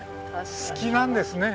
好きなんですね。